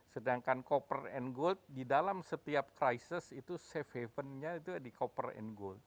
sedangkan koper and gold di dalam setiap crisis itu safe havennya itu di copper and gold